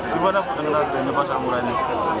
gimana dengan harganya pasar murah ini